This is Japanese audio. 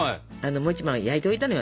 もう１枚焼いておいたのよ